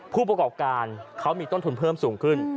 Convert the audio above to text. ผู้ประกอบการเขามีต้นทุนเพิ่มสูงขึ้น